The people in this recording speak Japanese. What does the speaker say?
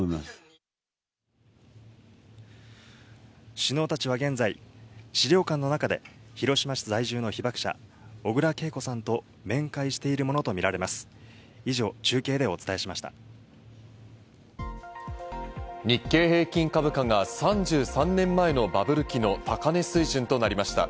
首脳たちは現在、資料館の中で、広島市在住の被爆者・小倉桂子さんと面会しているものと見られま日経平均株価が３３年前のバブル期の高値水準となりました。